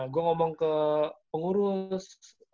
gue ngomong ke pengurus